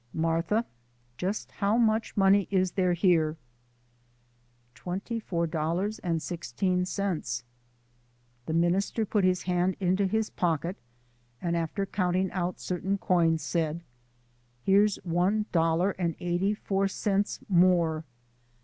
"Martha, just how much money is there?" "Twenty four dollars and sixteen cents." The minister put his hand into his pocket and, after counting out certain coins, said: "Here's one dollar and eighty four cents more.